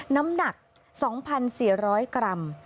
น้ำหนัก๒๔๐๐กรัม